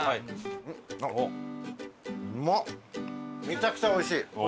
めちゃくちゃおいしい。